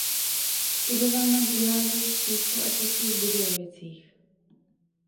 Studoval na gymnáziích v Písku a Českých Budějovicích.